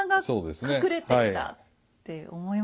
そうですね。